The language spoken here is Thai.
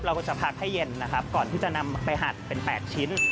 เราก็จะพักให้เย็นนะครับก่อนที่จะนำไปหัดเป็น๘ชิ้น